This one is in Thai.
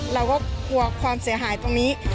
เราก็กลัวความเสียหายตรงนี้